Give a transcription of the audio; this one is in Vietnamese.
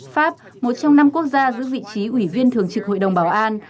pháp một trong năm quốc gia giữ vị trí ủy viên thường trực hội đồng bảo an